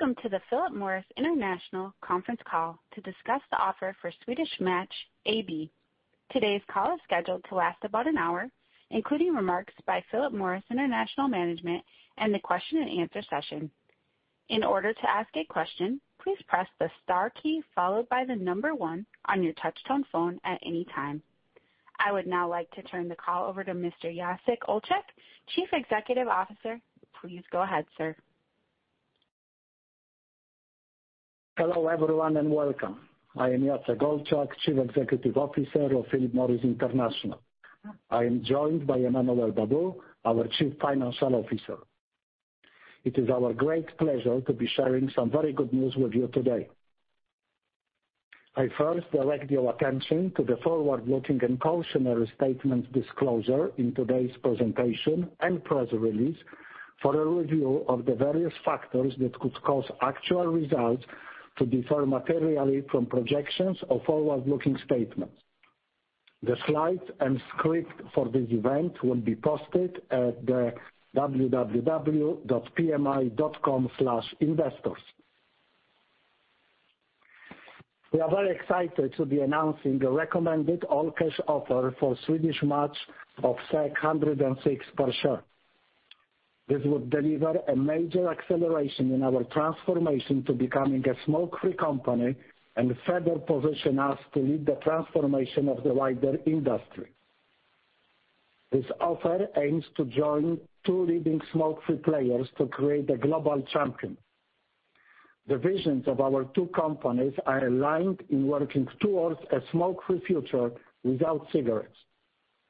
Welcome to the Philip Morris International conference call to discuss the offer for Swedish Match AB. Today's call is scheduled to last about an hour, including remarks by Philip Morris International management and the question and answer session. In order to ask a question, please press the star key followed by the number one on your touch-tone phone at any time. I would now like to turn the call over to Mr. Jacek Olczak, Chief Executive Officer. Please go ahead, sir. Hello, everyone, and welcome. I am Jacek Olczak, Chief Executive Officer of Philip Morris International. I am joined by Emmanuel Babeau, our Chief Financial Officer. It is our great pleasure to be sharing some very good news with you today. I first direct your attention to the forward-looking and cautionary statements disclosure in today's presentation and press release for a review of the various factors that could cause actual results to differ materially from projections or forward-looking statements. The slides and script for this event will be posted at the www.pmi.com/investors. We are very excited to be announcing the recommended all-cash offer for Swedish Match of 106 per share. This would deliver a major acceleration in our transformation to becoming a smoke-free company and further position us to lead the transformation of the wider industry. This offer aims to join two leading smoke-free players to create a global champion. The visions of our two companies are aligned in working towards a smoke-free future without cigarettes,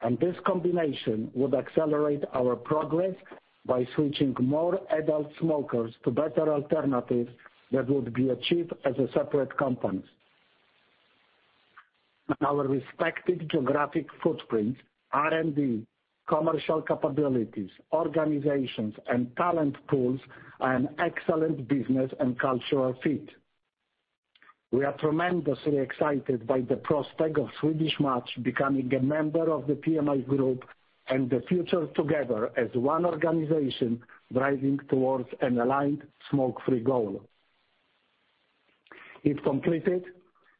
and this combination would accelerate our progress by switching more adult smokers to better alternatives that would be achieved as a separate company. Our respective geographic footprints, R&D, commercial capabilities, organizations, and talent pools are an excellent business and cultural fit. We are tremendously excited by the prospect of Swedish Match becoming a member of the PMI Group and the future together as one organization driving towards an aligned smoke-free goal. If completed,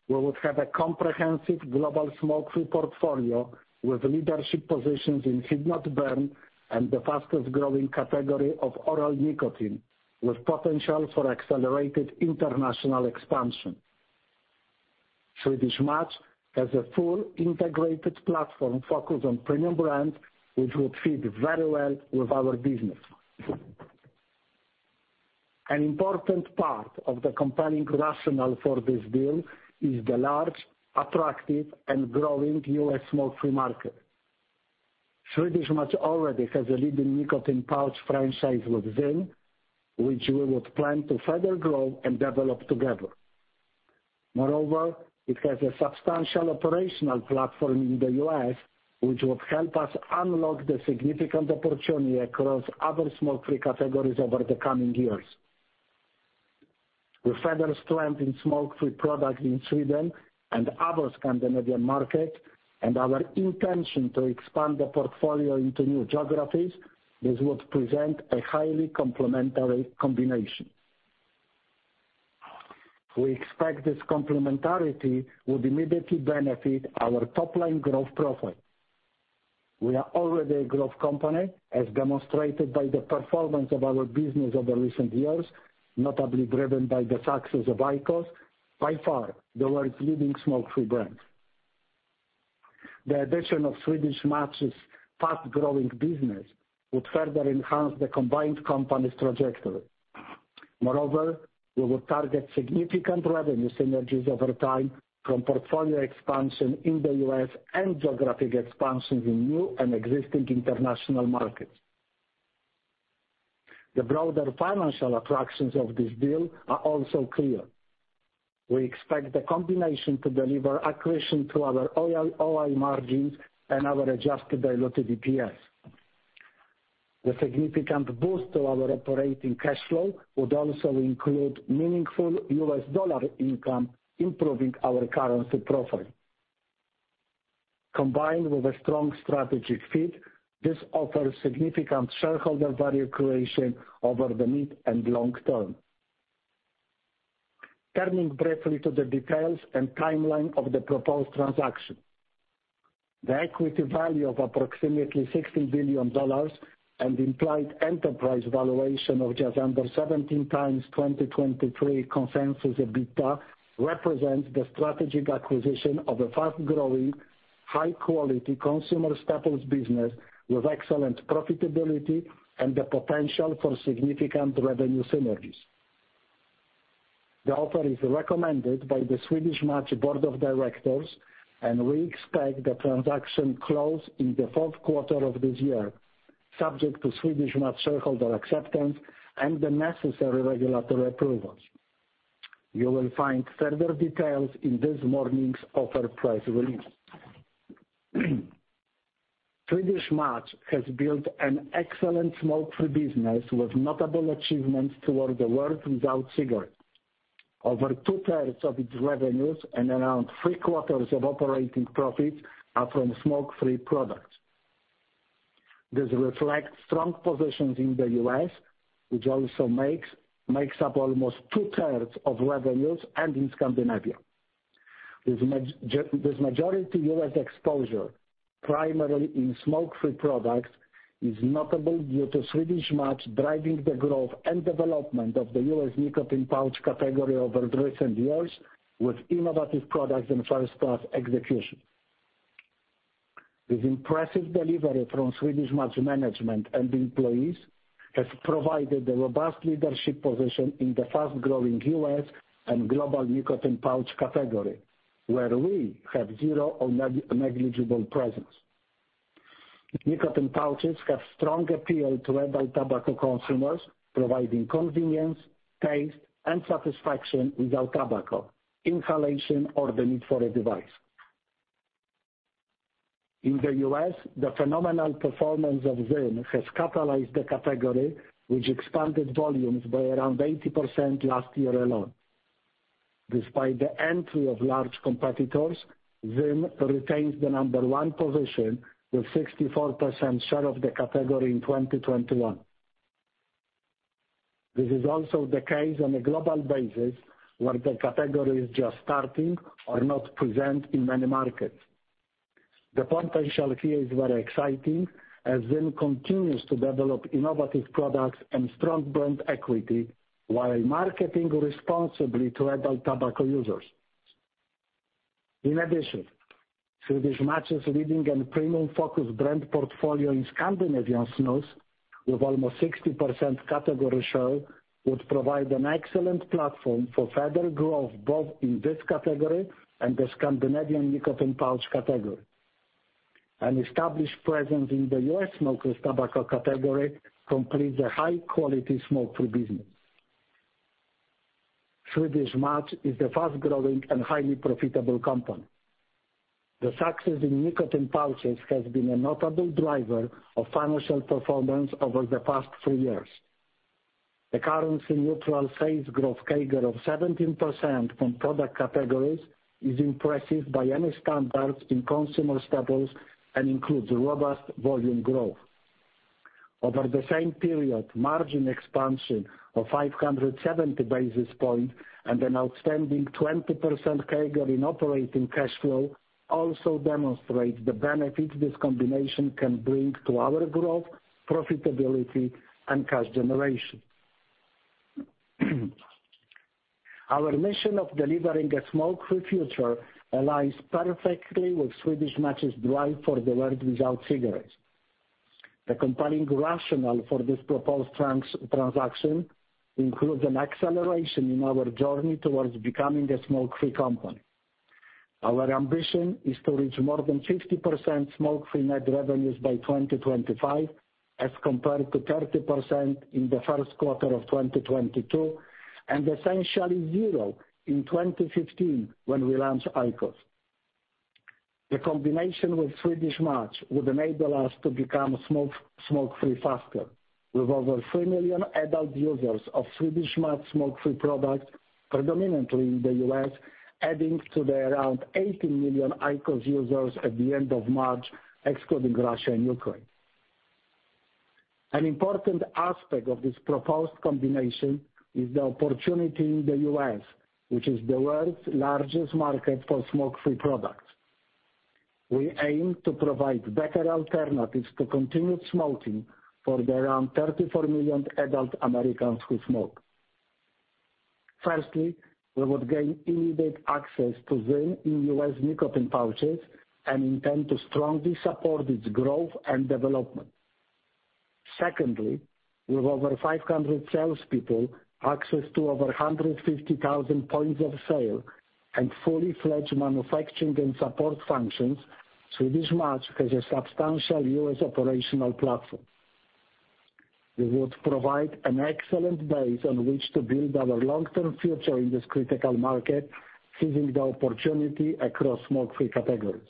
we would have a comprehensive global smoke-free portfolio with leadership positions in heat-not-burn and the fastest-growing category of oral nicotine, with potential for accelerated international expansion. Swedish Match has a fully integrated platform focused on premium brands, which would fit very well with our business. An important part of the compelling rationale for this deal is the large, attractive and growing U.S. smoke-free market. Swedish Match already has a leading nicotine pouch franchise with ZYN, which we would plan to further grow and develop together. Moreover, it has a substantial operational platform in the U.S., which would help us unlock the significant opportunity across other smoke-free categories over the coming years. With further strength in smoke-free products in Sweden and other Scandinavian markets and our intention to expand the portfolio into new geographies, this would present a highly complementary combination. We expect this complementarity would immediately benefit our top line growth profile. We are already a growth company, as demonstrated by the performance of our business over recent years, notably driven by the success of IQOS, by far the world's leading smoke-free brand. The addition of Swedish Match's fast-growing business would further enhance the combined company's trajectory. Moreover, we will target significant revenue synergies over time from portfolio expansion in the U.S. and geographic expansions in new and existing international markets. The broader financial attractions of this deal are also clear. We expect the combination to deliver accretion to our OI margins and our adjusted diluted EPS. The significant boost to our operating cash flow would also include meaningful U.S. dollar income, improving our currency profile. Combined with a strong strategic fit, this offers significant shareholder value creation over the mid and long term. Turning briefly to the details and timeline of the proposed transaction. The equity value of approximately $16 billion and implied enterprise valuation of just under 17x 2023 consensus EBITDA represents the strategic acquisition of a fast-growing, high-quality consumer staples business with excellent profitability and the potential for significant revenue synergies. The offer is recommended by the Swedish Match Board of Directors, and we expect the transaction close in the fourth quarter of this year, subject to Swedish Match shareholder acceptance and the necessary regulatory approvals. You will find further details in this morning's offer price release. Swedish Match has built an excellent smoke-free business with notable achievements toward a world without cigarettes. Over two-thirds of its revenues and around three-quarters of operating profits are from smoke-free products. This reflects strong positions in the U.S., which also makes up almost two-thirds of revenues and in Scandinavia. This majority U.S. exposure, primarily in smoke-free products, is notable due to Swedish Match driving the growth and development of the U.S. nicotine pouch category over recent years with innovative products and first-class execution. This impressive delivery from Swedish Match management and employees has provided a robust leadership position in the fast-growing U.S. and global nicotine pouch category, where we have zero or negligible presence. Nicotine pouches have strong appeal to adult tobacco consumers, providing convenience, taste, and satisfaction without tobacco, inhalation, or the need for a device. In the U.S., the phenomenal performance of ZYN has catalyzed the category, which expanded volumes by around 80% last year alone. Despite the entry of large competitors, ZYN retains the number one position with 64% share of the category in 2021. This is also the case on a global basis, where the category is just starting or not present in many markets. The potential here is very exciting as ZYN continues to develop innovative products and strong brand equity while marketing responsibly to adult tobacco users. In addition, Swedish Match's leading and premium-focused brand portfolio in Scandinavian snus with almost 60% category share would provide an excellent platform for further growth, both in this category and the Scandinavian nicotine pouch category. An established presence in the US smokeless tobacco category completes a high-quality smoke-free business. Swedish Match is a fast-growing and highly profitable company. The success in nicotine pouches has been a notable driver of financial performance over the past three years. The currency neutral sales growth CAGR of 17% from product categories is impressive by any standards in consumer staples and includes robust volume growth. Over the same period, margin expansion of 570 basis points and an outstanding 20% CAGR in operating cash flow also demonstrates the benefit this combination can bring to our growth, profitability, and cash generation. Our mission of delivering a smoke-free future aligns perfectly with Swedish Match's drive for the world without cigarettes. The compelling rationale for this proposed transaction includes an acceleration in our journey towards becoming a smoke-free company. Our ambition is to reach more than 50% smoke-free net revenues by 2025 as compared to 30% in the first quarter of 2022, and essentially zero in 2015 when we launched IQOS. The combination with Swedish Match would enable us to become smoke-free faster. With over 3 million adult users of Swedish Match smoke-free products, predominantly in the U.S., adding to the around 80 million IQOS users at the end of March, excluding Russia and Ukraine. An important aspect of this proposed combination is the opportunity in the U.S., which is the world's largest market for smoke-free products. We aim to provide better alternatives to continued smoking for the around 34 million adult Americans who smoke. Firstly, we would gain immediate access to ZYN in U.S. nicotine pouches and intend to strongly support its growth and development. Secondly, with over 500 salespeople, access to over 150,000 points of sale, and fully fledged manufacturing and support functions, Swedish Match has a substantial U.S. operational platform. We would provide an excellent base on which to build our long-term future in this critical market, seizing the opportunity across smoke-free categories.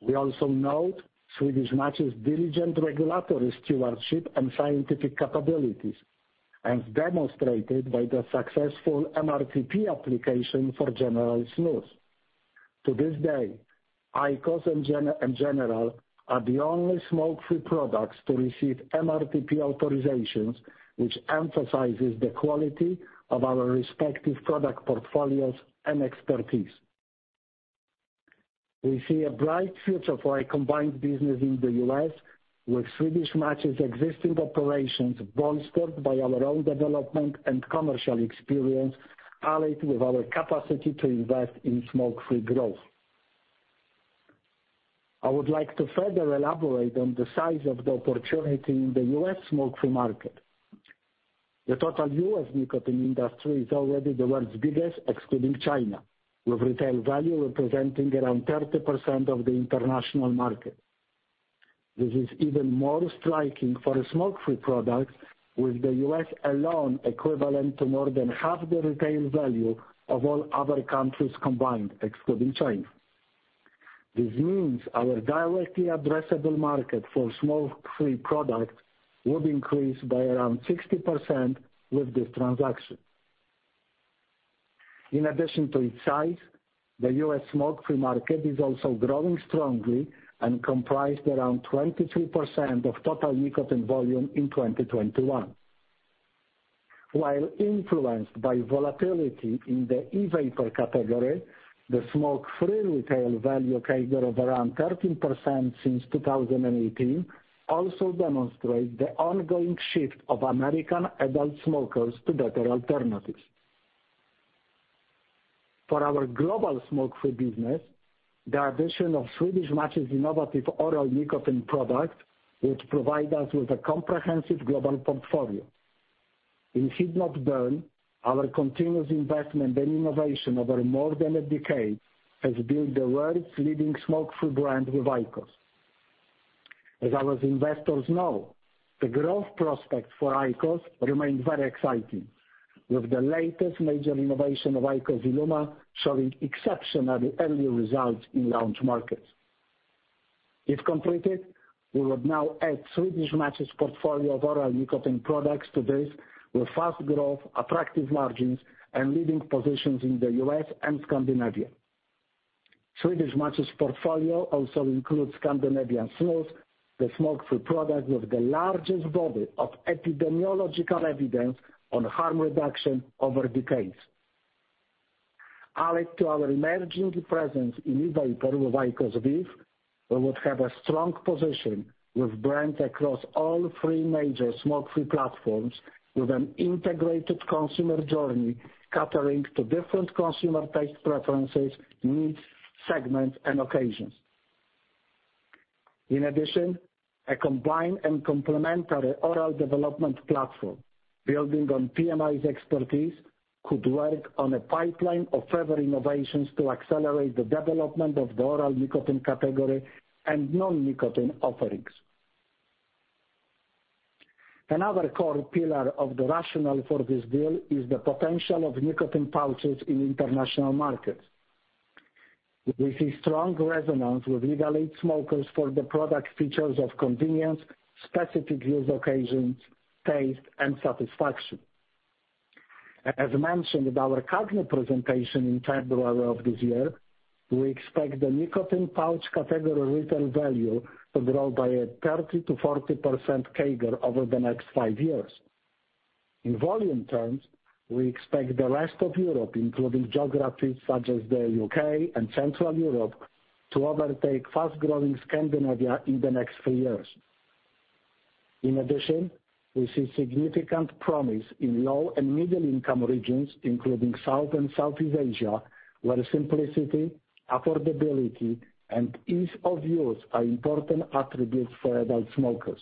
We also note Swedish Match's diligent regulatory stewardship and scientific capabilities, as demonstrated by the successful MRTP application for General Snus. To this day, IQOS and General are the only smoke-free products to receive MRTP authorizations, which emphasizes the quality of our respective product portfolios and expertise. We see a bright future for a combined business in the U.S. with Swedish Match's existing operations bolstered by our own development and commercial experience, allied with our capacity to invest in smoke-free growth. I would like to further elaborate on the size of the opportunity in the U.S. smoke-free market. The total U.S. nicotine industry is already the world's biggest, excluding China, with retail value representing around 30% of the international market. This is even more striking for smoke-free products, with the U.S. alone equivalent to more than half the retail value of all other countries combined, excluding China. This means our directly addressable market for smoke-free products would increase by around 60% with this transaction. In addition to its size, the U.S. smoke-free market is also growing strongly and comprised around 22% of total nicotine volume in 2021. While influenced by volatility in the e-vapor category, the smoke-free retail value CAGR of around 13% since 2018 also demonstrates the ongoing shift of American adult smokers to better alternatives. For our global smoke-free business, the addition of Swedish Match's innovative oral nicotine products, which provide us with a comprehensive global portfolio. In heat-not-burn, our continuous investment and innovation over more than a decade has built the world's leading smoke-free brand with IQOS. As our investors know, the growth prospects for IQOS remain very exciting, with the latest major innovation of IQOS ILUMA showing exceptionally early results in launch markets. If completed, we would now add Swedish Match's portfolio of oral nicotine products to this with fast growth, attractive margins, and leading positions in the U.S. and Scandinavia. Swedish Match's portfolio also includes Scandinavian Snus, the smoke-free product with the largest body of epidemiological evidence on harm reduction over decades. Added to our emerging presence in e-vapor with IQOS VEEV, we would have a strong position with brands across all three major smoke-free platforms with an integrated consumer journey catering to different consumer taste preferences, needs, segments, and occasions. In addition, a combined and complementary oral development platform building on PMI's expertise could work on a pipeline of further innovations to accelerate the development of the oral nicotine category and non-nicotine offerings. Another core pillar of the rationale for this deal is the potential of nicotine pouches in international markets. We see strong resonance with legal age smokers for the product features of convenience, specific use occasions, taste, and satisfaction. As mentioned in our CAGNY presentation in February of this year, we expect the nicotine pouch category retail value to grow by a 30%-40% CAGR over the next five years. In volume terms, we expect the rest of Europe, including geographies such as the U.K. and Central Europe, to overtake fast-growing Scandinavia in the next three years. In addition, we see significant promise in low and middle-income regions, including South and Southeast Asia, where simplicity, affordability, and ease of use are important attributes for adult smokers.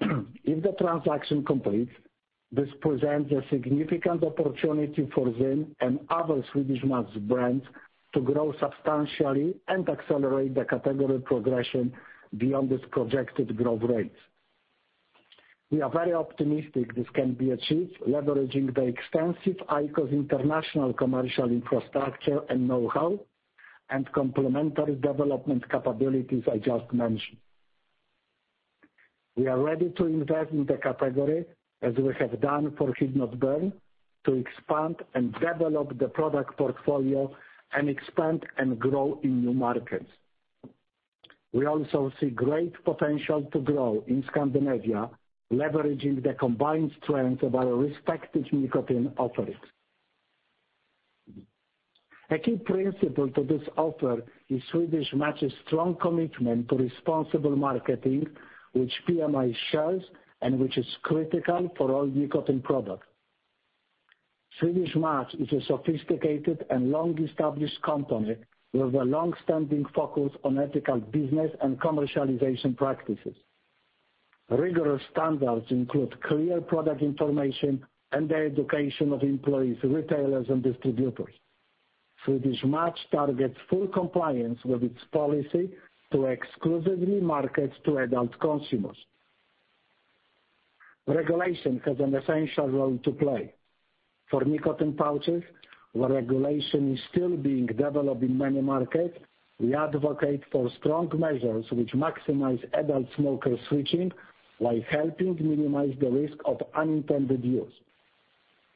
If the transaction completes, this presents a significant opportunity for ZYN and other Swedish Match brands to grow substantially and accelerate the category progression beyond these projected growth rates. We are very optimistic this can be achieved leveraging the extensive IQOS international commercial infrastructure and know-how and complementary development capabilities I just mentioned. We are ready to invest in the category, as we have done for heat-not-burn, to expand and develop the product portfolio and expand and grow in new markets. We also see great potential to grow in Scandinavia, leveraging the combined strengths of our respective nicotine offerings. A key principle to this offer is Swedish Match's strong commitment to responsible marketing, which PMI shares and which is critical for all nicotine products. Swedish Match is a sophisticated and long-established company with a long-standing focus on ethical business and commercialization practices. Rigorous standards include clear product information and the education of employees, retailers, and distributors. Swedish Match targets full compliance with its policy to exclusively market to adult consumers. Regulation has an essential role to play. For nicotine pouches, where regulation is still being developed in many markets, we advocate for strong measures which maximize adult smoker switching while helping minimize the risk of unintended use.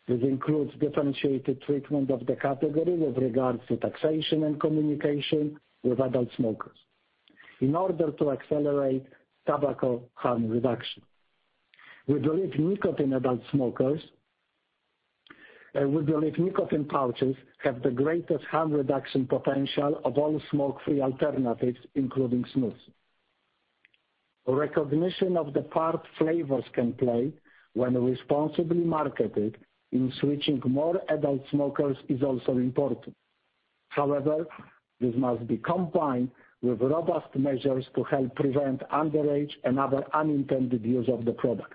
This includes differentiated treatment of the category with regards to taxation and communication with adult smokers in order to accelerate tobacco harm reduction. We believe nicotine pouches have the greatest harm reduction potential of all smoke-free alternatives, including snus. Recognition of the part flavors can play when responsibly marketed in switching more adult smokers is also important. However, this must be combined with robust measures to help prevent underage and other unintended use of the product.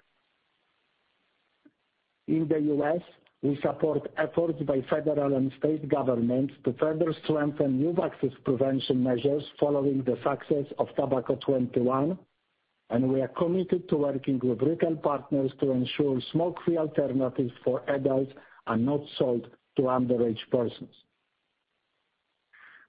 In the US, we support efforts by federal and state governments to further strengthen youth access prevention measures following the success of Tobacco 21, and we are committed to working with retail partners to ensure smoke-free alternatives for adults are not sold to underage persons.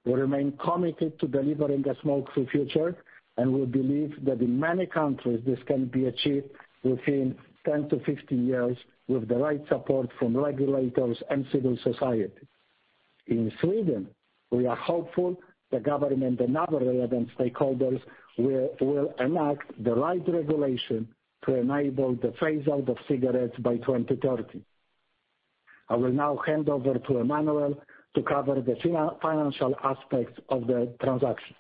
We remain committed to delivering a smoke-free future, and we believe that in many countries this can be achieved within 10-15 years with the right support from regulators and civil society. In Sweden, we are hopeful the government and other relevant stakeholders will enact the right regulation to enable the phase-out of cigarettes by 2030. I will now hand over to Emmanuel to cover the financial aspects of the transaction.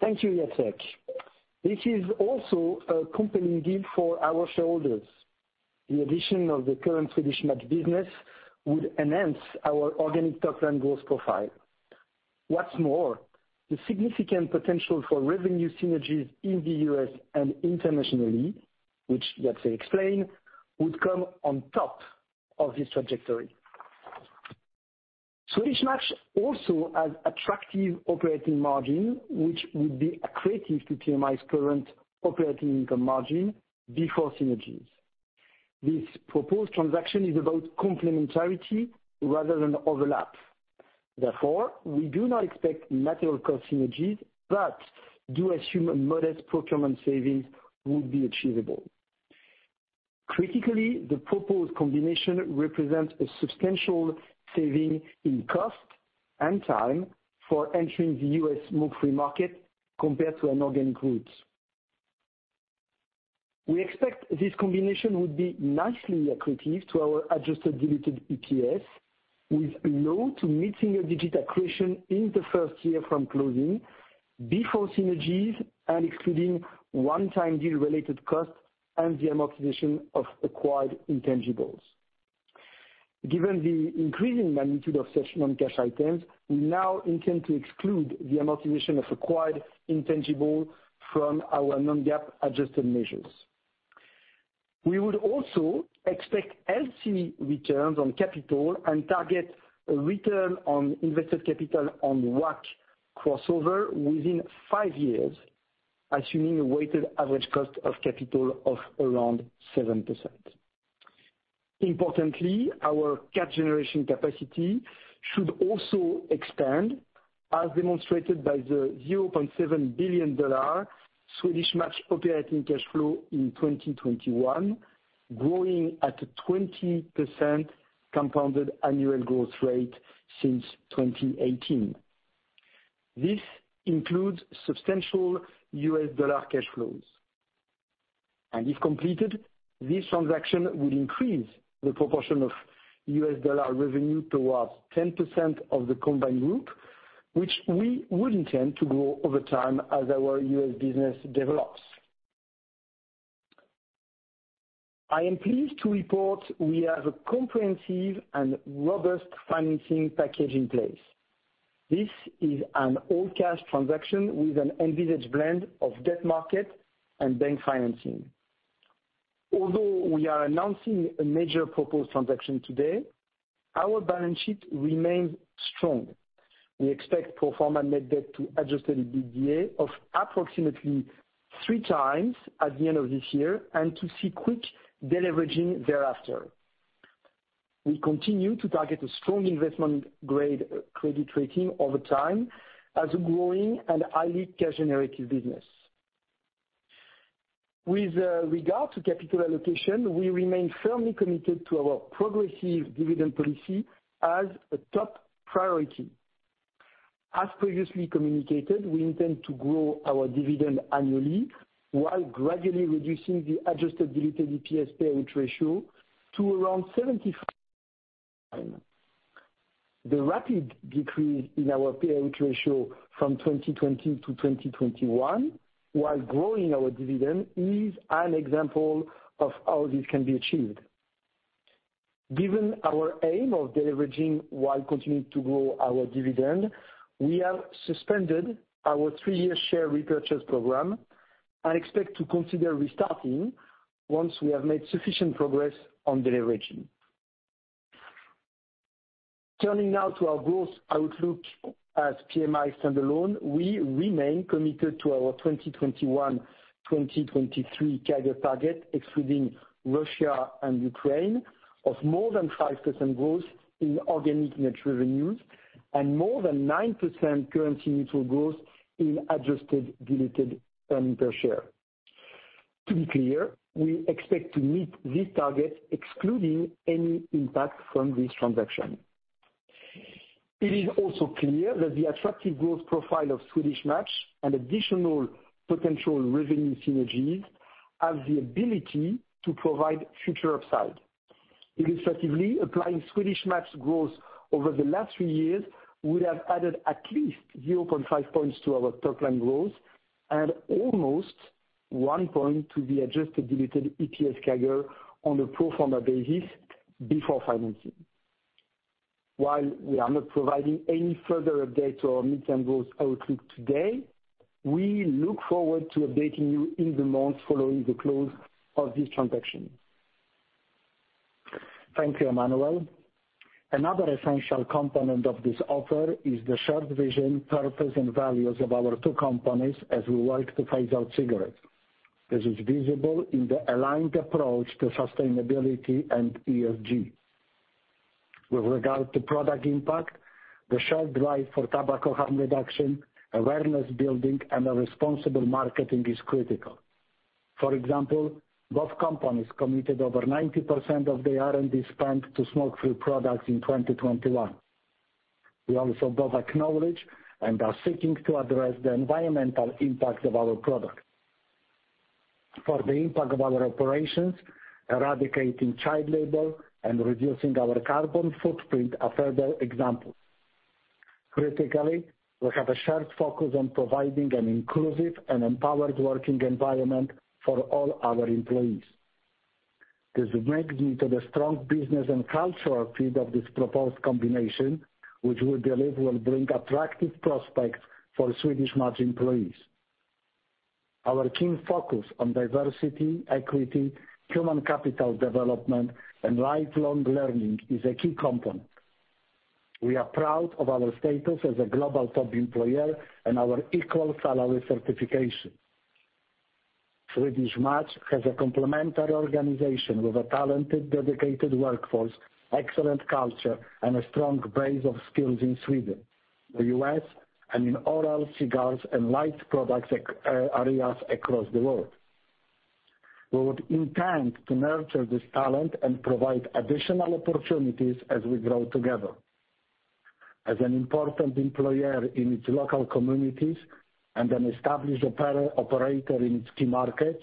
Thank you, Jacek. This is also a compelling deal for our shareholders. The addition of the current Swedish Match business would enhance our organic top-line growth profile. What's more, the significant potential for revenue synergies in the U.S. and internationally, which Jacek explained, would come on top of this trajectory. Swedish Match also has attractive operating margin, which would be accretive to PMI's current operating income margin before synergies. This proposed transaction is about complementarity rather than overlap. Therefore, we do not expect material cost synergies, but do assume modest procurement savings will be achievable. Critically, the proposed combination represents a substantial saving in cost and time for entering the U.S. smoke-free market compared to an organic route. We expect this combination would be nicely accretive to our adjusted diluted EPS, with low- to mid-single-digit accretion in the first year from closing before synergies and excluding one-time deal related costs and the amortization of acquired intangibles. Given the increasing magnitude of such non-cash items, we now intend to exclude the amortization of acquired intangibles from our non-GAAP adjusted measures. We would also expect healthy returns on capital and target a return on invested capital on WACC crossover within five years, assuming a weighted average cost of capital of around 7%. Importantly, our cash generation capacity should also expand, as demonstrated by the $0.7 billion Swedish Match operating cash flow in 2021, growing at a 20% compounded annual growth rate since 2018. This includes substantial US dollar cash flows. If completed, this transaction will increase the proportion of U.S. dollar revenue towards 10% of the combined group, which we would intend to grow over time as our U.S. business develops. I am pleased to report we have a comprehensive and robust financing package in place. This is an all-cash transaction with an envisaged blend of debt market and bank financing. Although we are announcing a major proposed transaction today, our balance sheet remains strong. We expect pro forma net debt to adjusted EBITDA of approximately 3x at the end of this year and to see quick deleveraging thereafter. We continue to target a strong investment-grade credit rating over time as a growing and highly cash-generative business. With regard to capital allocation, we remain firmly committed to our progressive dividend policy as a top priority. As previously communicated, we intend to grow our dividend annually while gradually reducing the adjusted diluted EPS payout ratio to around 75%. The rapid decrease in our payout ratio from 2020 to 2021 while growing our dividend is an example of how this can be achieved. Given our aim of deleveraging while continuing to grow our dividend, we have suspended our three-year share repurchase program and expect to consider restarting once we have made sufficient progress on deleveraging. Turning now to our growth outlook. As PMI standalone, we remain committed to our 2021-2023 CAGR target, excluding Russia and Ukraine, of more than 5% growth in organic net revenues and more than 9% currency neutral growth in adjusted diluted earnings per share. To be clear, we expect to meet this target excluding any impact from this transaction. It is also clear that the attractive growth profile of Swedish Match and additional potential revenue synergies have the ability to provide future upside. Illustratively, applying Swedish Match growth over the last three years would have added at least 0.5 points to our top line growth and almost 1 point to the adjusted diluted EPS CAGR on a pro forma basis before financing. While we are not providing any further update to our mid-term growth outlook today, we look forward to updating you in the months following the close of this transaction. Thank you, Emmanuel. Another essential component of this offer is the shared vision, purpose, and values of our two companies as we work to phase out cigarettes. This is visible in the aligned approach to sustainability and ESG. With regard to product impact, the shared drive for tobacco harm reduction, awareness building, and a responsible marketing is critical. For example, both companies committed over 90% of their R&D spend to smoke-free products in 2021. We also both acknowledge and are seeking to address the environmental impact of our product. For the impact of our operations, eradicating child labor and reducing our carbon footprint are further examples. Critically, we have a shared focus on providing an inclusive and empowered working environment for all our employees. This takes me to the strong business and cultural fit of this proposed combination, which we believe will bring attractive prospects for Swedish Match employees. Our keen focus on diversity, equity, human capital development, and lifelong learning is a key component. We are proud of our status as a global top employer and our equal salary certification. Swedish Match has a complementary organization with a talented, dedicated workforce, excellent culture, and a strong base of skills in Sweden, the U.S., and in oral cigars and light products areas across the world. We would intend to nurture this talent and provide additional opportunities as we grow together. As an important employer in its local communities and an established operator in its key markets,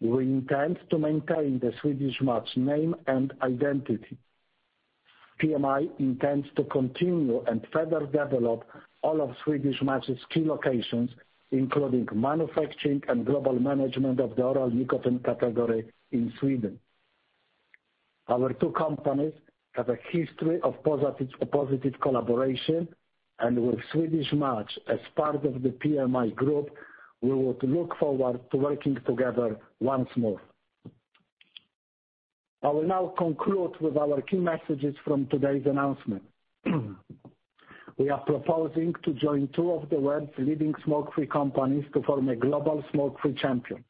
we intend to maintain the Swedish Match name and identity. PMI intends to continue and further develop all of Swedish Match's key locations, including manufacturing and global management of the oral nicotine category in Sweden. Our two companies have a history of positive collaboration, and with Swedish Match as part of the PMI Group, we would look forward to working together once more. I will now conclude with our key messages from today's announcement. We are proposing to join two of the world's leading smoke-free companies to form a global smoke-free champion.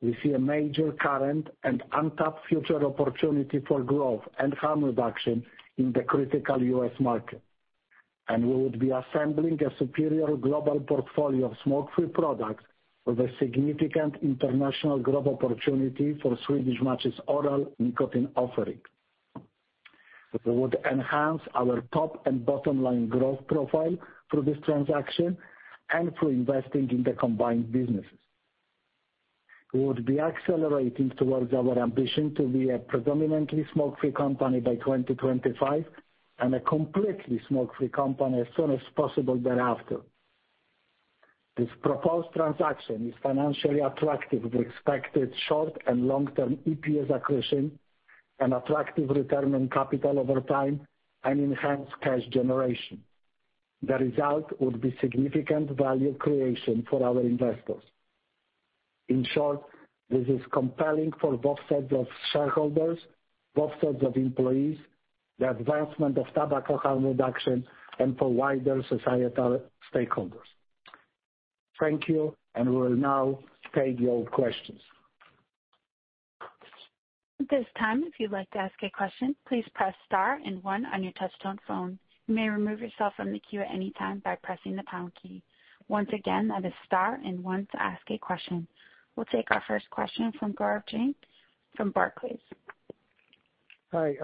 We see a major current and untapped future opportunity for growth and harm reduction in the critical U.S. market, and we would be assembling a superior global portfolio of smoke-free products with a significant international growth opportunity for Swedish Match's oral nicotine offering. We would enhance our top and bottom line growth profile through this transaction and through investing in the combined businesses. We would be accelerating towards our ambition to be a predominantly smoke-free company by 2025 and a completely smoke-free company as soon as possible thereafter. This proposed transaction is financially attractive with expected short and long-term EPS accretion, an attractive return on capital over time, and enhanced cash generation. The result would be significant value creation for our investors. In short, this is compelling for both sets of shareholders, both sets of employees, the advancement of tobacco harm reduction, and for wider societal stakeholders. Thank you, and we'll now take your questions. At this time, if you'd like to ask a question, please press star and one on your touch-tone phone. You may remove yourself from the queue at any time by pressing the pound key. Once again, that is star and one to ask a question. We'll take our first question from Gaurav Jain from Barclays. Hi,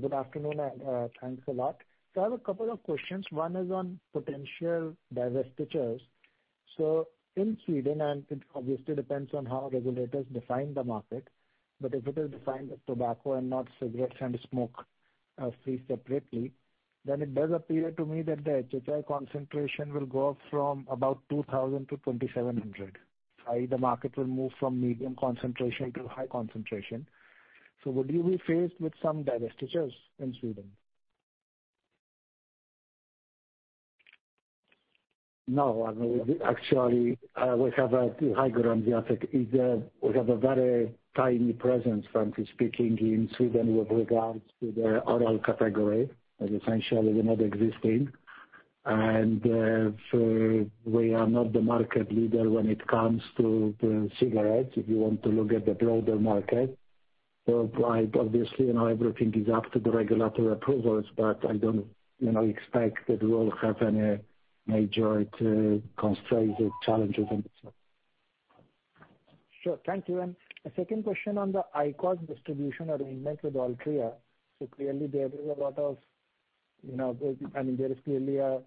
good afternoon, and thanks a lot. I have a couple of questions. One is on potential divestitures. In Sweden, it obviously depends on how regulators define the market, but if it is defined as tobacco and not cigarettes and smokefree separately, then it does appear to me that the HHI concentration will go up from about 2,000 to 2,700. i.e., the market will move from medium concentration to high concentration. Would you be faced with some divestitures in Sweden? No. I mean, we actually, we have a high ground. The other thing is, we have a very tiny presence, frankly speaking, in Sweden with regards to the oral category. It is essentially not existing. We are not the market leader when it comes to cigarettes, if you want to look at the broader market. While obviously, you know, everything is up to the regulatory approvals, but I don't, you know, expect that we'll have any major constraints or challenges on this one. Sure. Thank you. A second question on the IQOS distribution arrangement with Altria. Clearly there is a lot of, you know, I mean, there is clearly a,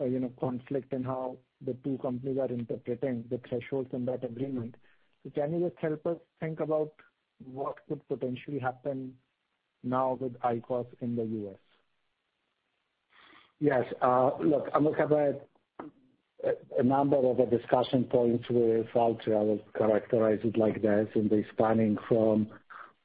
you know, conflict in how the two companies are interpreting the thresholds in that agreement. Can you just help us think about what could potentially happen now with IQOS in the U.S.? Yes. Look, I look at a number of discussion points with Altria. I would characterize it like this, and they're spanning from,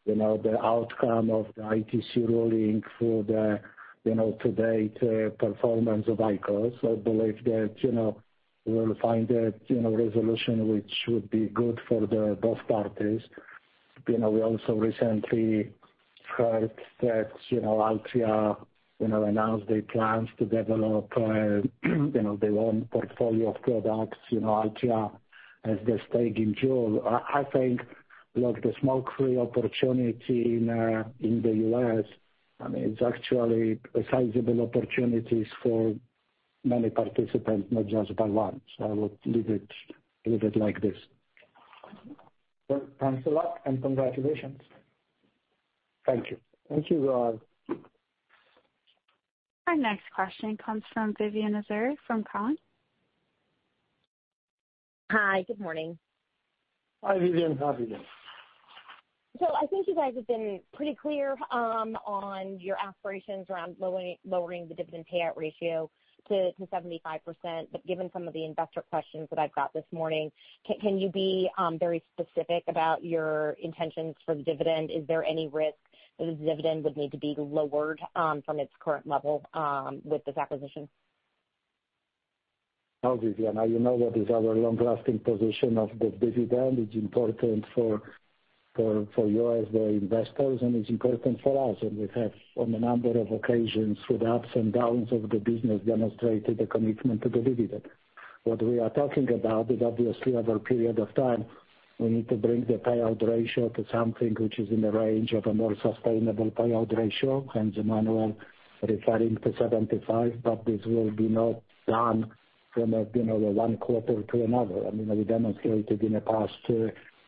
you know, the outcome of the ITC ruling through the, you know, today, performance of IQOS. I believe that, you know, we'll find a, you know, resolution which would be good for the both parties. You know, we also recently heard that, you know, Altria, you know, announced their plans to develop, you know, their own portfolio of products. You know, Altria has their stake in JUUL. I think, look, the smoke-free opportunity in the US, I mean, it's actually sizable opportunities for many participants, not just by one. I would leave it like this. Well, thanks a lot and congratulations. Thank you. Thank you, Rob. Our next question comes from Vivien Azer from Cowen. Hi, good morning. Hi, Vivian, how are you? I think you guys have been pretty clear on your aspirations around lowering the dividend payout ratio to 75%. Given some of the investor questions that I've got this morning, can you be very specific about your intentions for the dividend? Is there any risk that the dividend would need to be lowered from its current level with this acquisition? Oh, Vivien, now, you know what is our long-lasting position on the dividend. It's important for you as the investors, and it's important for us. We have on a number of occasions, through the ups and downs of the business, demonstrated a commitment to the dividend. What we are talking about is obviously over a period of time, we need to bring the payout ratio to something which is in the range of a more sustainable payout ratio. Emmanuel referring to 75%, but this will not be done from, you know, one quarter to another. I mean, we demonstrated in the past,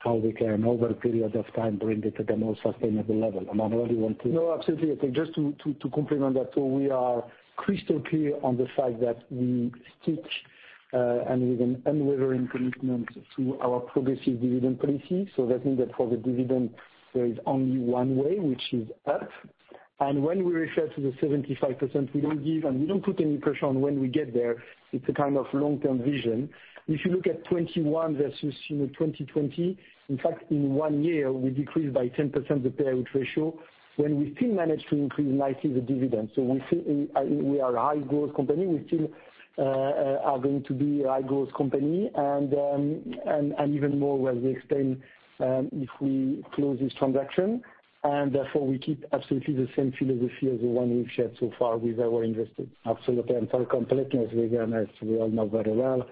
how we can over a period of time bring it to the most sustainable level. Emmanuel, you want to- No, absolutely. I think just to complement that, so we are crystal clear on the fact that we stick with an unwavering commitment to our progressive dividend policy. That means that for the dividend there is only one way, which is up. When we refer to the 75%, we don't put any pressure on when we get there. It's a kind of long-term vision. If you look at 2021 versus, you know, 2020, in fact, in one year we decreased by 10% the payout ratio when we still managed to increase nicely the dividend. We are a high growth company. We still are going to be a high growth company. Even more when we explain if we close this transaction. Therefore we keep absolutely the same philosophy as the one we've shared so far with our investors. Absolutely. For completeness, Vivien, as we all know very well,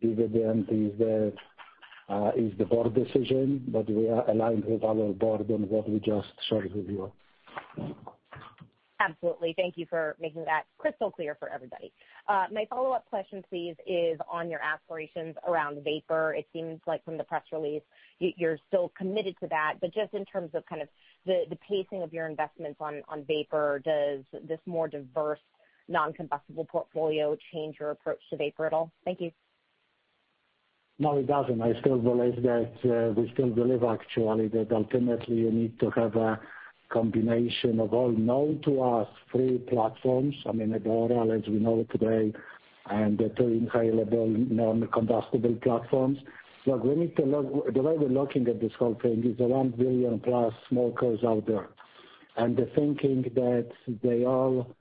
dividend is the board decision, but we are aligned with our board on what we just shared with you. Absolutely. Thank you for making that crystal clear for everybody. My follow-up question, please, is on your aspirations around vapor. It seems like from the press release, you're still committed to that. But just in terms of kind of the pacing of your investments on vapor, does this more diverse non-combustible portfolio change your approach to vapor at all? Thank you. No, it doesn't. I still believe that we still believe actually that ultimately you need to have a combination of all known to us three platforms. I mean, the oral as we know it today, and the two inhalable non-combustible platforms. Look, the way we're looking at this whole thing is around billion-plus smokers out there. The thinking that they all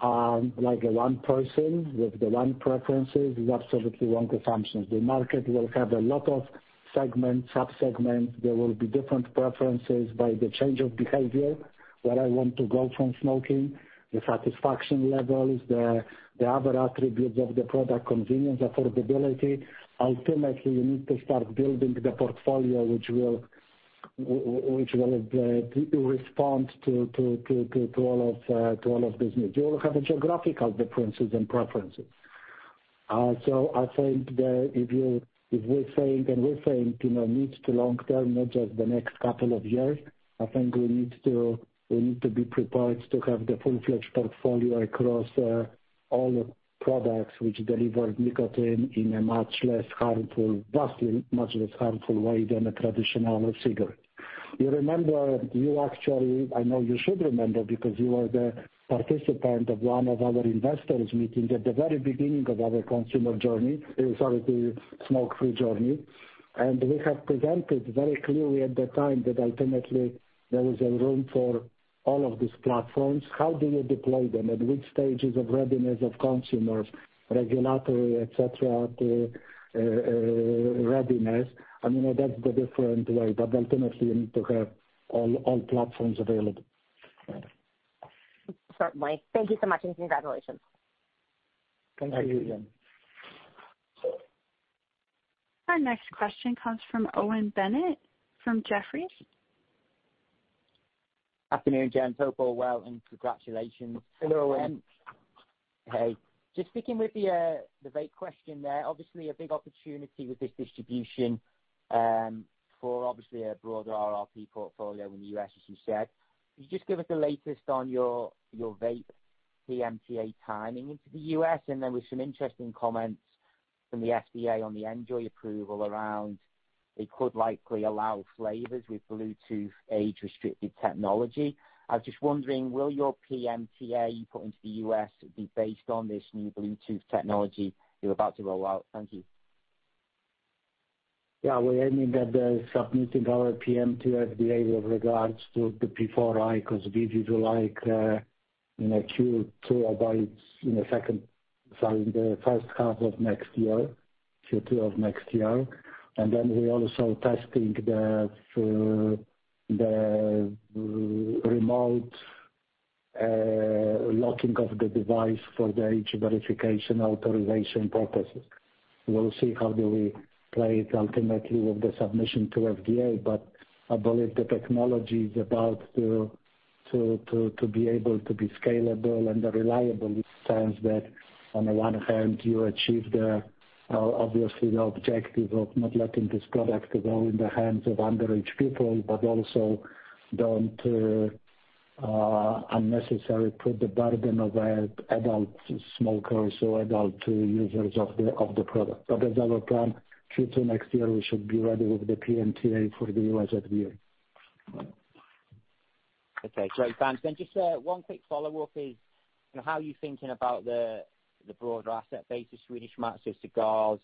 are like one person with the same preferences is absolutely wrong assumptions. The market will have a lot of segments, sub-segments. There will be different preferences by the change of behavior. Where I want to go from smoking, the satisfaction levels, the other attributes of the product, convenience, affordability. Ultimately, you need to start building the portfolio which will respond to all of these needs. You will have geographical differences and preferences. I think that if we're saying, you know, mid to long term, not just the next couple of years, I think we need to be prepared to have the full-fledged portfolio across all products which deliver nicotine in a much less harmful, vastly much less harmful way than a traditional cigarette. You remember, you actually, I know you should remember because you were the participant of one of our investors meeting at the very beginning of our consumer journey, sorry, the smoke-free journey. We have presented very clearly at that time that ultimately there was a room for all of these platforms. How do you deploy them, at which stages of readiness of consumers, regulatory, et cetera, the readiness. I mean, that's the different way. Ultimately, you need to have all platforms available. Certainly. Thank you so much, and congratulations. Thank you, Vivien. Thank you. Our next question comes from Owen Bennett from Jefferies. Afternoon, gents. Hope all well, and congratulations. Hello, Owen. Hey. Just sticking with the vape question there, obviously a big opportunity with this distribution, for obviously a broader RRP portfolio in the U.S., as you said. Could you just give us the latest on your vape PMTA timing into the U.S.? There were some interesting comments from the FDA on the NJOY approval around it could likely allow flavors with Bluetooth age-restricted technology. I was just wondering, will your PMTA you put into the U.S. be based on this new Bluetooth technology you're about to roll out? Thank you. Yeah, we're aiming at submitting our PMTA to the FDA with regards to the IQOS VEEV, like, in the first half of next year, Q2 of next year. Then we're also testing the remote locking of the device for the age verification authorization purposes. We'll see how do we play it ultimately with the submission to FDA, but I believe the technology is about to be able to be scalable and reliable in the sense that on the one hand, you achieve, obviously, the objective of not letting this product go in the hands of underage people, but also don't unnecessarily put the burden on adult smokers or adult users of the product. That's our plan. Q2 next year, we should be ready with the PMTA for the U.S. FDA. Okay. Great. Thanks. Just one quick follow-up is, you know, how are you thinking about the broader asset base of Swedish Match's cigars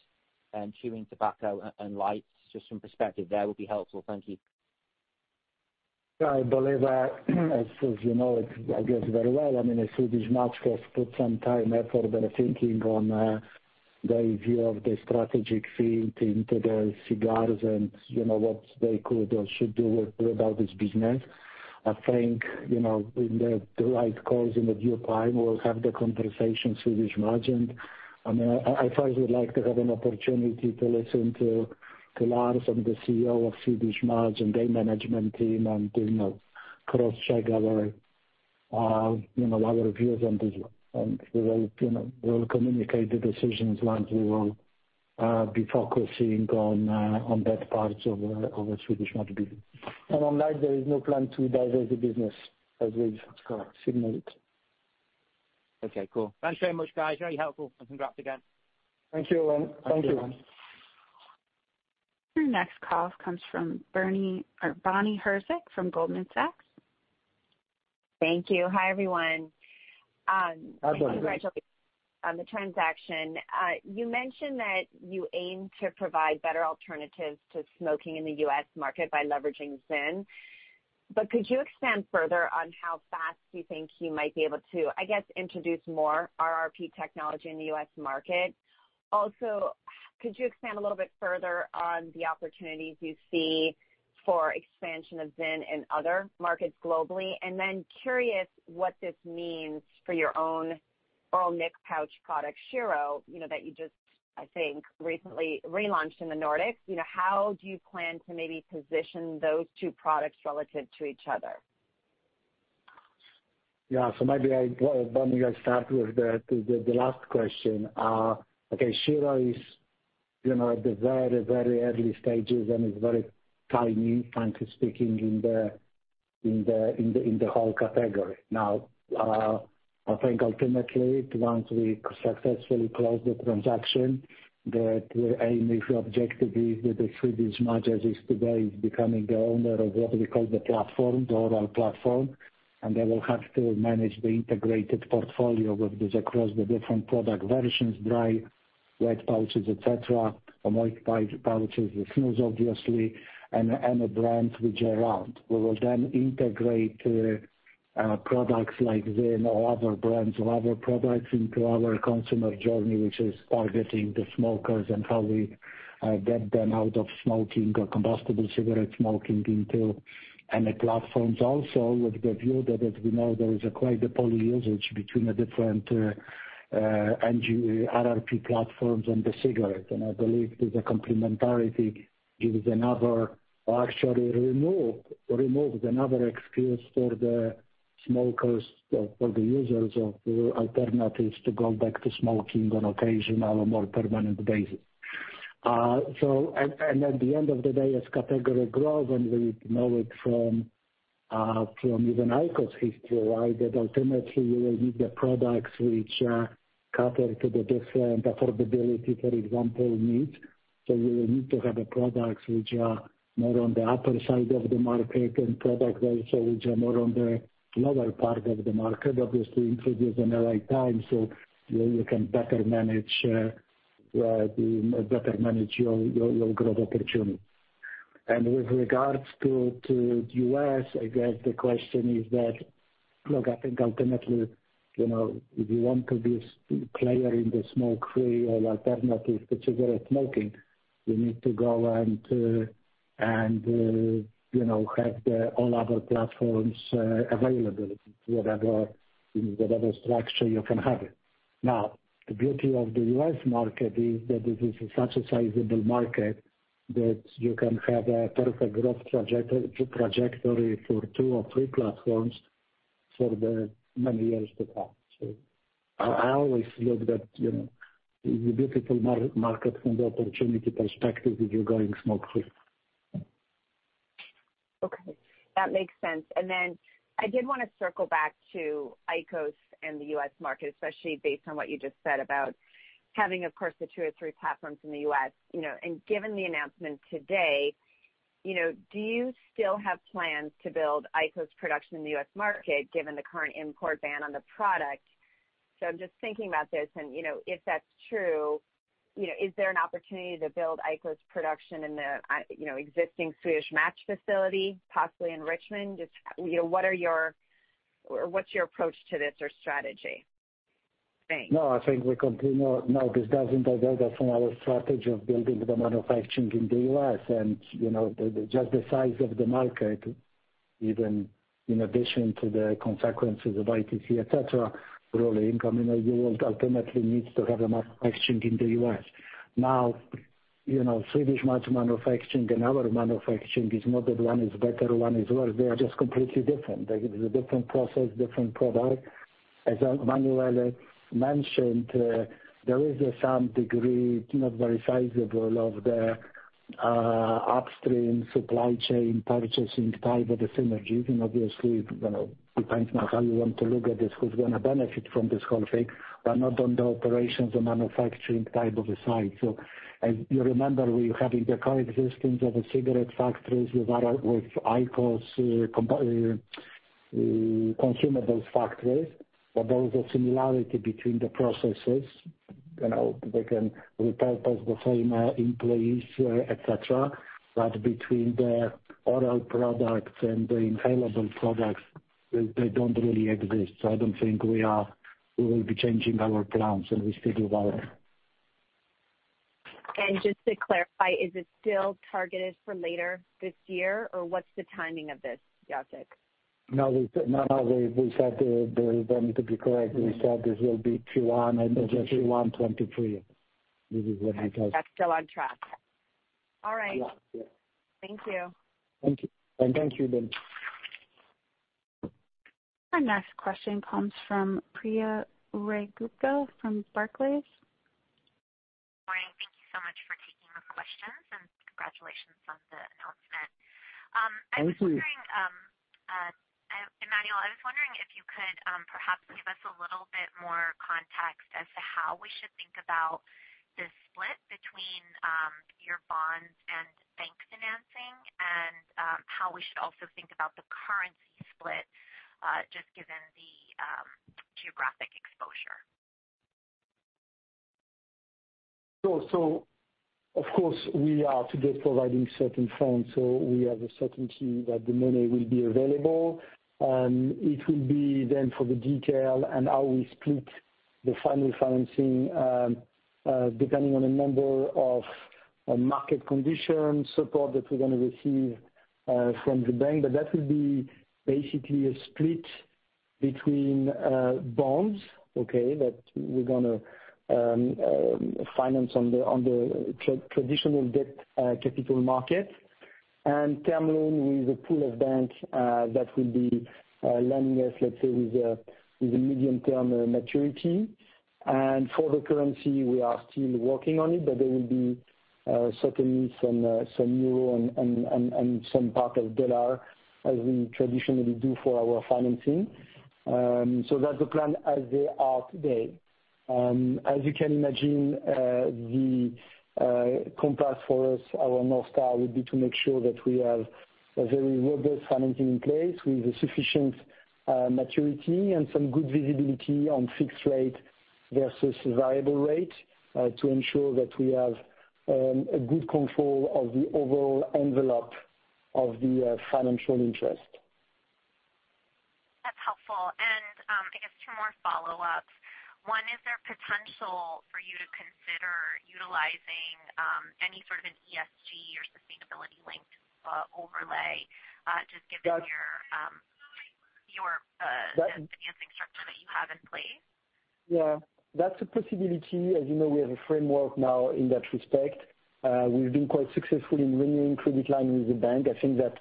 and chewing tobacco and lights? Just some perspective there will be helpful. Thank you. Yeah, I believe, as you know it, I guess, very well, I mean, the Swedish Match has put some time, effort and thinking on their view of the strategic fit into the cigars and, you know, what they could or should do with all this business. I think, you know, in the right course, in the due time, we'll have the conversation Swedish Match. I mean, I first would like to have an opportunity to listen to Lars and the CEO of Swedish Match and their management team and, you know, crosscheck our views on this one. We will, you know, we will communicate the decisions once we will be focusing on that part of the Swedish Match business. On that, there is no plan to divert the business as we've signaled. Okay, cool. Thanks very much, guys. Very helpful, and congrats again. Thank you. Thank you. Our next call comes from Bonnie Herzog from Goldman Sachs. Thank you. Hi, everyone. Hi, Bonnie. Congratulations on the transaction. You mentioned that you aim to provide better alternatives to smoking in the U.S. market by leveraging ZYN. Could you expand further on how fast you think you might be able to, I guess, introduce more RRP technology in the U.S. market? Also, could you expand a little bit further on the opportunities you see for expansion of ZYN in other markets globally? Curious what this means for your own oral nicotine pouch product Shiro, you know, that you just, I think, recently relaunched in the Nordics. You know, how do you plan to maybe position those two products relative to each other? Maybe I, Bonnie, start with the last question. Okay, Shiro is, you know, at the very, very early stages and is very tiny, frankly speaking, in the whole category. Now, I think ultimately, once we successfully close the transaction, the aim, the objective, is that the Swedish Match as is today is becoming the owner of what we call the platform, the oral platform. They will have to manage the integrated portfolio with this across the different product versions, dry, wet pouches, et cetera, or modified pouches, the snus obviously, and the brands which are around. We will then integrate products like ZYN or other brands or other products into our consumer journey, which is targeting the smokers and how we get them out of smoking or combustible cigarette smoking into any platforms. Also, with the view that as we know, there is quite a poly usage between the different next-gen RRP platforms and the cigarette. I believe the complementarity gives another or actually removes another excuse for the smokers or for the users of alternatives to go back to smoking on occasional or more permanent basis. And at the end of the day, as category grows, and we know it from even IQOS history, right, that ultimately you will need the products which cater to the different affordability, for example, needs. You will need to have products which are more on the upper side of the market and products also which are more on the lower part of the market, obviously introduced in the right time, so you can better manage your growth opportunity. With regards to the U.S., I guess the question is that, look, I think ultimately, you know, if you want to be a player in the smoke-free or alternative to cigarette smoking, you need to go and you know, have all the other platforms available in whatever structure you can have it. Now, the beauty of the U.S. market is that it is such a sizable market that you can have a perfect growth trajectory for two or three platforms for many years to come. I always feel that, you know, it's a beautiful market from the opportunity perspective if you're going smoke-free. Okay. That makes sense. Then I did wanna circle back to IQOS and the U.S. market, especially based on what you just said about having, of course, the two or three platforms in the U.S., you know. Given the announcement today, you know, do you still have plans to build IQOS production in the U.S. market, given the current import ban on the product? I'm just thinking about this and, you know, if that's true, you know, is there an opportunity to build IQOS production in the existing Swedish Match facility, possibly in Richmond? Just, you know, what's your approach to this or strategy? Thanks. No, I think we continue. No, this doesn't diverge us from our strategy of building the manufacturing in the U.S. You know, just the size of the market, even in addition to the consequences of ITC, et cetera, really, in combustibles, the world ultimately needs to have manufacturing in the U.S. Now, you know, Swedish Match manufacturing and our manufacturing is not that one is better, one is worse. They are just completely different. Like, it's a different process, different product. As Emmanuel mentioned, there is some degree, not very sizable, of the upstream supply chain purchasing type of the synergies. Obviously, you know, depends on how you want to look at this, who's gonna benefit from this whole thing, but not on the operations or manufacturing type of the side. As you remember, we're having the coexistence of the cigarette factories with IQOS consumables factories. There is a similarity between the processes. You know, they can repurpose the same employees, et cetera. Between the oral products and the inhalable products, they don't really exist. I don't think we will be changing our plans, and we still develop. Just to clarify, is it still targeted for later this year, or what's the timing of this, Jacek? No, we said then, to be correct, we said this will be Q1 and Q1 2023. This is what we said. That's still on track. All right. Yeah. Yeah. Thank you. Thank you. Thank you then. Our next question comes from Priya Ohri-Gupta from Barclays. Morning. Thank you so much for taking the questions, and congratulations on the announcement. Thank you. I was wondering, Emmanuel, if you could perhaps give us a little bit more context as to how we should think about this split between your bonds and bank financing and how we should also think about the currency split, just given the geographic exposure. Of course, we are today providing certain funds, so we have a certainty that the money will be available. It will be then for the detail and how we split the final financing, depending on a number of market conditions, support that we're gonna receive from the bank. That will be basically a split between bonds, okay, that we're gonna finance on the traditional debt capital market. Term loan with a pool of banks that will be lending us, let's say, with a medium-term maturity. For the currency, we are still working on it, but there will be certainly some euro and some part of dollar, as we traditionally do for our financing. That's the plan as they are today. As you can imagine, the compass for us, our North Star, would be to make sure that we have a very robust financing in place with sufficient maturity and some good visibility on fixed rate versus variable rate, to ensure that we have a good control of the overall envelope of the financial interest. That's helpful. I guess two more follow-ups. One, is there potential for you to consider utilizing any sort of an ESG or sustainability-linked overlay just given- That's- your financing structure that you have in place? Yeah, that's a possibility. As you know, we have a framework now in that respect. We've been quite successful in renewing credit line with the bank. I think that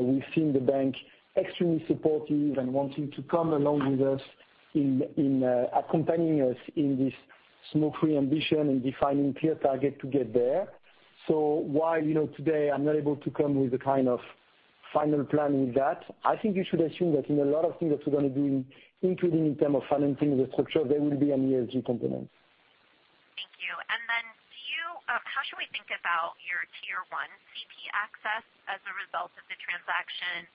we've seen the bank extremely supportive and wanting to come along with us in accompanying us in this smoke-free ambition and defining clear target to get there. While, you know, today I'm not able to come with a kind of final plan in that, I think you should assume that in a lot of things that we're gonna do, including in term of financing the structure, there will be an ESG component. Thank you. How should we think about your tier one CP access as a result of the transaction?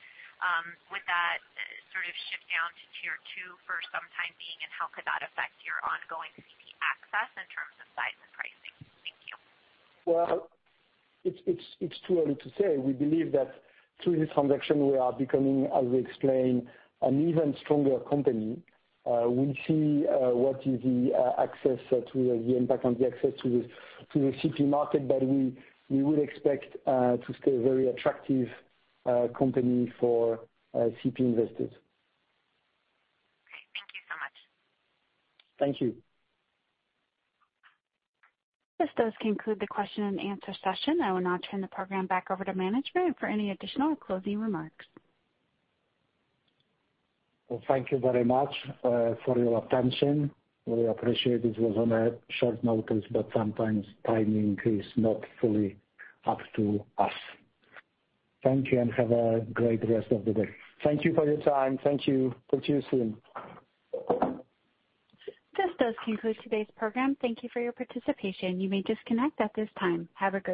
Would that sort of shift down to tier two for the time being, and how could that affect your ongoing CP access in terms of size and pricing? Thank you. Well, it's too early to say. We believe that through this transaction, we are becoming, as we explained, an even stronger company. We'll see what the impact is on access to the CP market. We would expect to stay a very attractive company for CP investors. Great. Thank you so much. Thank you. This does conclude the question and answer session. I will now turn the program back over to management for any additional closing remarks. Well, thank you very much, for your attention. We appreciate this was on a short notice, but sometimes timing is not fully up to us. Thank you and have a great rest of the day. Thank you for your time. Thank you. Talk to you soon. This does conclude today's program. Thank you for your participation. You may disconnect at this time. Have a great day.